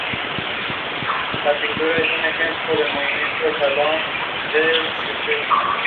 Falleció en Avila Beach, California.